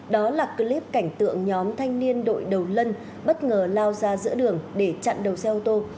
đó là clip cảnh tượng nhóm thanh niên đội đầu lân bất ngờ lao ra giữa đường để chặn đầu xe ô tô